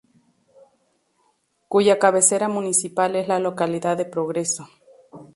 Cuya cabecera municipal es la localidad de Progreso.